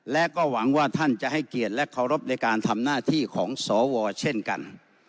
และก็หวังว่าท่านจะให้เกียรติและเคารพในการทำหน้าที่ของสวเช่นกัน